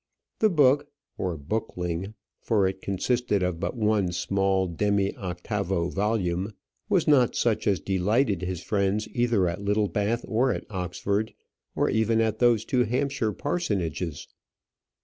The book or bookling, for it consisted but of one small demy octavo volume was not such as delighted his friends either at Littlebath or at Oxford, or even at those two Hampshire parsonages.